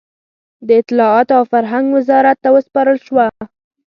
د اطلاعاتو او فرهنګ وزارت ته وسپارل شوه.